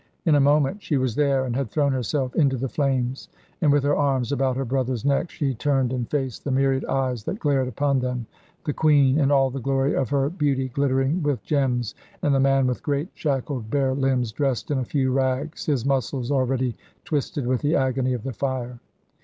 In a moment she was there and had thrown herself into the flames, and with her arms about her brother's neck she turned and faced the myriad eyes that glared upon them the queen, in all the glory of her beauty, glittering with gems, and the man with great shackled bare limbs, dressed in a few rags, his muscles already twisted with the agony of the fire.